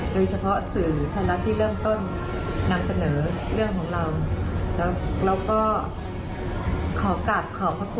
โดยเฉพาะสื่อไทยรัฐที่เริ่มต้นนำเสนอเรื่องของเรา